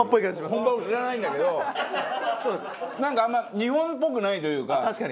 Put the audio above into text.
本場を知らないんだけどなんかあんま日本っぽくないというか。